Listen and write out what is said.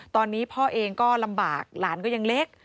ตอนนี้พ่อเองก็ลำบากหลานก็ยังเล็ก